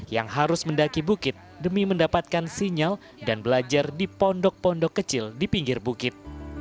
yang harus mendaki bukit demi mendapatkan sinyal dan belajar di pondok pondok kecil di pinggir bukit